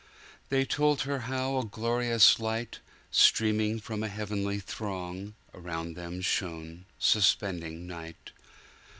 They told her how a glorious light, Streaming from a heavenly throng, Around them shone, suspending night!